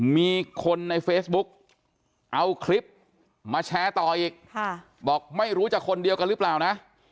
มีคนในเฟซบุ๊กเอาคลิปมาแชร์ต่ออีกบอกไม่รู้จะคนเดียวกันหรือเปล่านะ